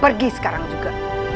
pergi sekarang juga